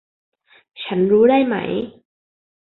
ฉันรู้ได้ไหม